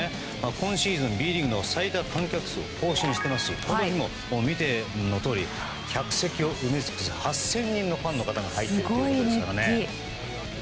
今シーズンＢリーグの最多観客数を更新していますし、この日も見てのとおり、客席を埋め尽くす８０００人のファンの方が入っていますからね。